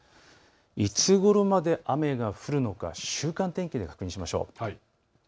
いつごろまで雨が降るのか、週間天気で確認しましょう。